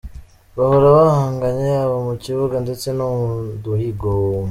Bahora bahanganye yaba mu kibuga ndetse no mu duhigo.